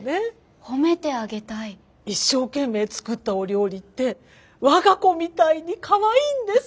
一生懸命作ったお料理って我が子みたいにかわいいんです！